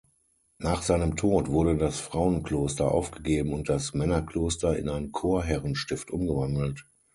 Nach seinem Tod wurde das Frauenkloster aufgegeben und das Männerkloster in ein Chorherrenstift umgewandelt.